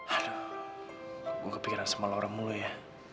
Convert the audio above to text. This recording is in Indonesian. aduh gue kepikiran sama orang mulu ya